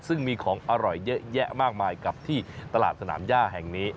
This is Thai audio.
ซึ่งมีของอร่อยเยอะแยะมากมายกับที่ตลาดสนามย่าแห่งนี้